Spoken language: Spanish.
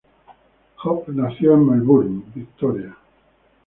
Hogg nació en Melbourne, Victoria.